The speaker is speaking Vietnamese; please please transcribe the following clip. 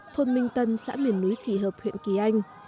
thôn minh tân xã miền núi kỳ hợp huyện kỳ anh